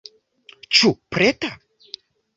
Ĉu preta?